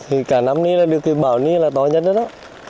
thì cả năm này là được cái bảo này là to nhất đó